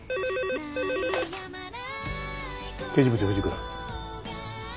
刑事部長藤倉。